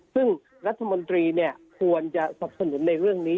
ซึ่งรัฐมนตรีควรจะสับสนุนในเรื่องนี้